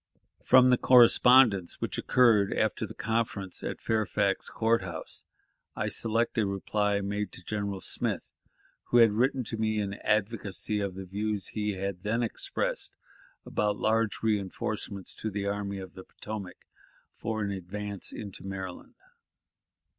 From the correspondence which occurred after the conference at Fairfax Court House, I select a reply made to General Smith, who had written to me in advocacy of the views he had then expressed about large reënforcements to the Army of the Potomac, for an advance into Maryland.